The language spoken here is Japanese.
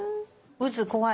うず怖い。